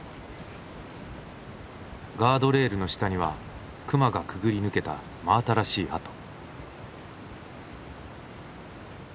ガードレールの下には熊がくぐり抜けた真新しい跡。